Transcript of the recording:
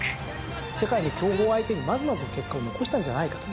世界の強豪相手にまずまずの結果を残したんじゃないかと。